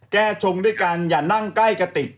ชงด้วยกันอย่านั่งใกล้กะติก